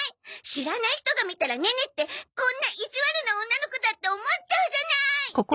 知らない人が見たらネネってこんな意地悪な女の子だって思っちゃうじゃない！